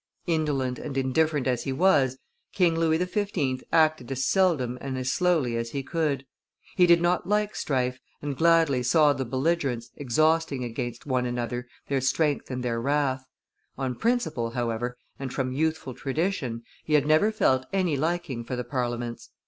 Indolent and indifferent as he was, King Louis XV. acted as seldom and as slowly as he could; he did not like strife, and gladly saw the belligerents exhausting against one another their strength and their wrath; on principle, however, and from youthful tradition, he had never felt any liking for the Parliaments.